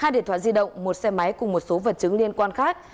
hai điện thoại di động một xe máy cùng một số vật chứng liên quan khác